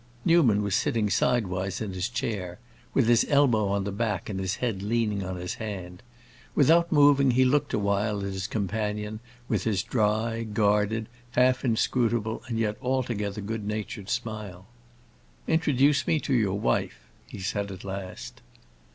Newman was sitting sidewise in his chair, with his elbow on the back and his head leaning on his hand. Without moving he looked a while at his companion with his dry, guarded, half inscrutable, and yet altogether good natured smile. "Introduce me to your wife!" he said at last.